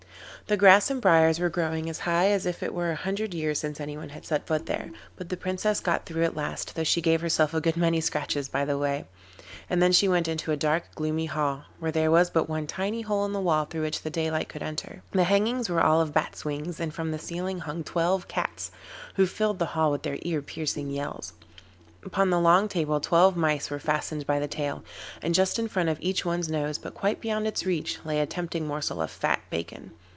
The grass and briers were growing as high as if it were a hundred years since anyone had set foot there, but the Princess got through at last, though she gave herself a good many scratches by the way, and then she went into a dark, gloomy hall, where there was but one tiny hole in the wall through which the daylight could enter. The hangings were all of bats' wings, and from the ceiling hung twelve cats, who filled the hall with their ear piercing yells. Upon the long table twelve mice were fastened by the tail, and just in front of each one's nose, but quite beyond its reach, lay a tempting morsel of fat bacon.